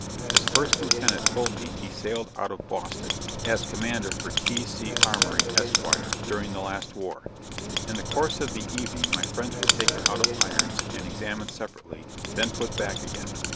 His first lieutenant told me he had sailed out of Boston, as commander for T.C. Amory, Esq. during the last war. In the course of the evening my friends were taken out of irons and examined separately, then put back again.